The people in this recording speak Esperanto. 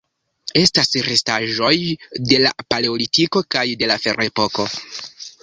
Estas restaĵoj de la Paleolitiko kaj de la Ferepoko.